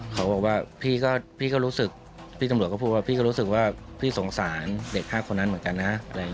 เขาบอกว่าพี่ก็รู้สึกพี่ตำรวจก็พูดว่าพี่ก็รู้สึกว่าพี่สงสารเด็ก๕คนนั้นเหมือนกันนะ